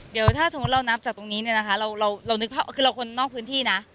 เดี๋ยวถ้าสมมุติเรานับจากตรงนี้คือเราคนนอกพื้นที่นะ